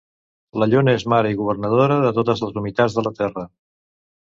La lluna és mare i governadora de totes les humitats de la terra.